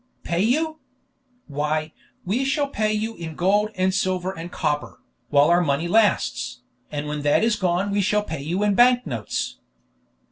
"Pay you? Why, we shall pay you in gold and silver and copper, while our money lasts, and when that is gone we shall pay you in bank notes."